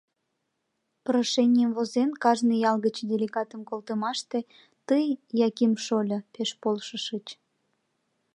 Прошенийым возен, кажне ял гыч делегатым колтымаште тый, Яким шольо, пеш полшышыч.